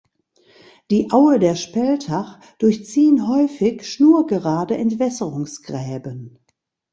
Die Aue der Speltach durchziehen häufig schnurgerade Entwässerungsgräben.